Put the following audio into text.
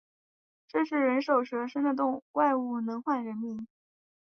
这是人首蛇身的怪物，能唤人名